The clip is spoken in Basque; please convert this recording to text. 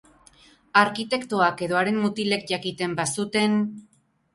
Arkitektoak edo haren mutilek jakiten bazuten...